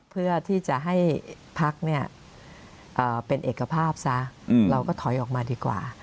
เพื่อที่จะให้พักเป็นเอกภาพซะเราก็ถอยออกมาดีกว่า